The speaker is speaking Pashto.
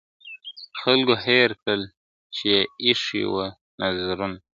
خلکو هېر کړل چي یې ایښي وه نذرونه !.